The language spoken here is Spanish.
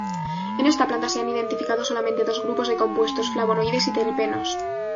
En esta planta se han identificado solamente dos grupos de compuestos: flavonoides y terpenos.